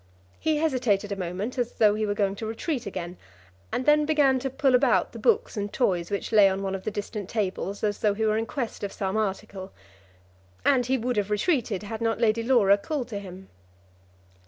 He hesitated a moment, as though he were going to retreat again, and then began to pull about the books and toys which lay on one of the distant tables, as though he were in quest of some article. And he would have retreated had not Lady Laura called to him.